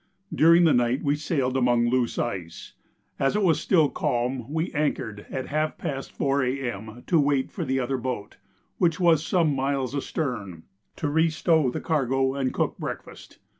During the night we sailed among loose ice. As it was still calm we anchored at half past 4 A.M. to wait for the other boat, which was some miles astern, to re stow the cargo and cook breakfast.